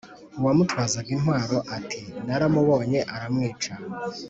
uwamutwazaga intwaro i ati naramubonye amwica